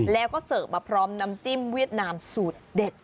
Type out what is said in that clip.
แล้วก็เสิร์ฟมาพร้อมน้ำจิ้มเวียดนามสูตรเด็ด